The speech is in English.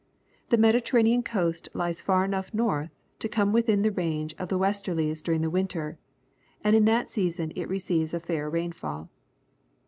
The Mediter ranean coast lies far enough north to come within the range of the westerlies during the winter, and in that season it receives a fair rainfall.